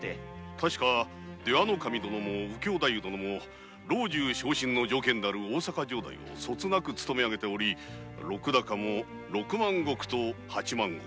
確か出羽守殿も右京太夫殿も老中への条件である大阪城代を無事勤めあげ碌高も六万石と八万石。